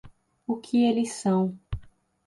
O que eles são